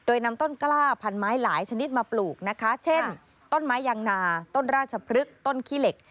โดยนำต้นกล้าพันไม้หลายชนิดมาปลูกนะคะเช่นต้นไม้ยางนาต้นราชพฤกษ์ต้นขี้เหล็ก